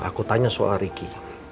aku tanya soal ricky